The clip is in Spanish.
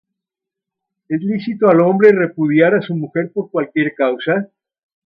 ¿Es lícito al hombre repudiar á su mujer por cualquiera causa?